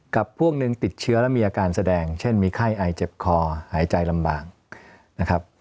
กับพวกหนึ่งติดเชื้อแล้วมีอาการแสดงเช่นมีไข้อายเจ็บคอหายใจลำบากนะครับ